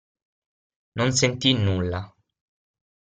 Non sentì nulla.